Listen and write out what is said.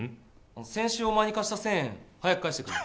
先週お前に貸した１０００円、早く返してくれ。